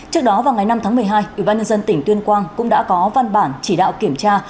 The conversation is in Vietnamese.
trước đó vào ngày năm tháng một mươi hai ủy ban nhân dân tỉnh tuyên quang cũng đã có văn bản chỉ đạo kiểm tra